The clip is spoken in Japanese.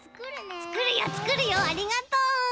つくるよつくるよありがとう。